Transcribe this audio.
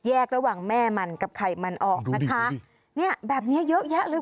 ระหว่างแม่มันกับไข่มันออกนะคะเนี่ยแบบเนี้ยเยอะแยะเลย